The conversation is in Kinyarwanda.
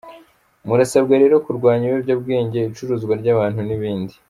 Murasabwa rero kurwanya ibiyobyabwenge, icuruzwa ry’abantu n’ibindi.